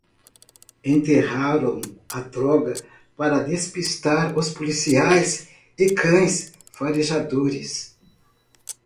Enterraram a droga para despistar os policiais e cães farejadores